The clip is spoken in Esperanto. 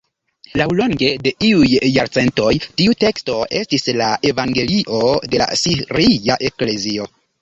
Laŭlonge de iuj jarcentoj tiu teksto estis la evangelio de la siria eklezio.